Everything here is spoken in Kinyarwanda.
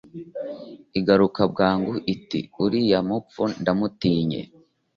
igaruka bwangu iti «uriya mupfu ndamutinye